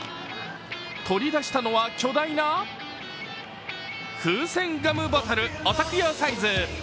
取り出したのは巨大な風船ガムボトルお徳用サイズ。